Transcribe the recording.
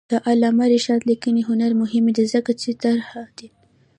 د علامه رشاد لیکنی هنر مهم دی ځکه چې صریح دی.